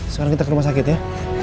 sekarang kita ke rumah sakit ya